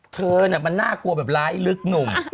เธอน่ะมันน่ากลัวแบบร้ายลึกหนุ่ม